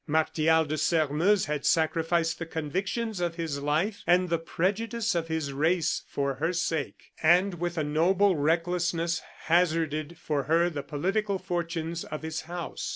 Martial de Sairmeuse had sacrificed the convictions of his life and the prejudice of his race for her sake; and, with a noble recklessness, hazarded for her the political fortunes of his house.